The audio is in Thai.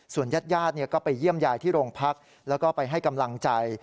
ญาติญาติก็ไปเยี่ยมยายที่โรงพักแล้วก็ไปให้กำลังใจ